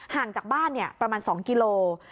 ห่างจากบ้านประมาณ๒กิโล